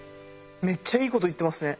めっちゃいいこと言ってますね。